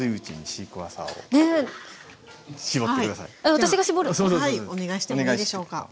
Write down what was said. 私が搾る⁉お願いしてもいいでしょうか？